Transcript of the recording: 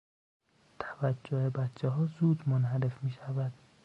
توجه بچهها زود منحرف میشود.